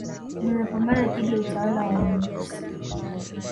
nimepambana dhidi ya utawala wa weusi